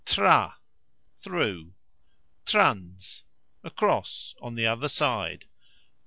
trans : across, on the other side.